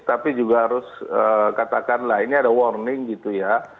tapi juga harus katakanlah ini ada warning gitu ya